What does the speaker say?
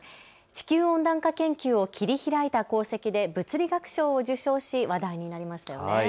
地球温暖化研究を切り開いた功績で物理学賞を受賞し話題になりましたね。